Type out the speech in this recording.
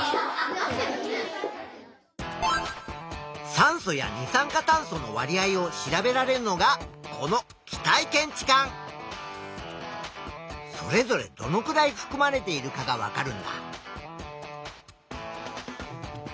酸素や二酸化炭素のわり合を調べられるのがこのそれぞれどのくらいふくまれているかがわかるんだ。